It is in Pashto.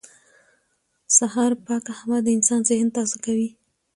سهار پاکه هوا د انسان ذهن تازه کوي